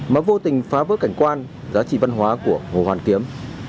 mà vô tình phá vỡ cảnh quan giá trị văn hóa của hồ hoàn kiếm